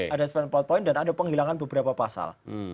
ada sekitar empat poin dan ada penghilangan beberapa pasal